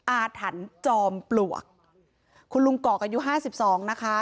อาถรรพ์จอมปลวกคุณลุงกอกอายุห้าสิบสองนะคะ